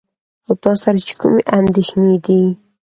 او تاسره چې کومې اندېښنې دي .